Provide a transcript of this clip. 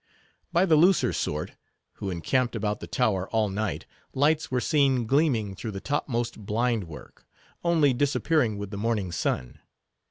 By the looser sort, who encamped about the tower all night, lights were seen gleaming through the topmost blind work, only disappearing with the morning sun.